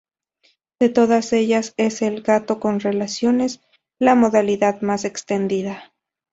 De todas ellas es el "gato con relaciones" la modalidad más extendida.